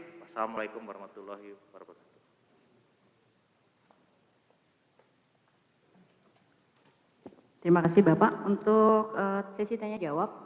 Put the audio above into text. wassalamu'alaikum warahmatullahi wabarakatuh